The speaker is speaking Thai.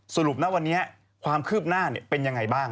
สรุปนะวันนี้ความคืบหน้าเป็นยังไงบ้าง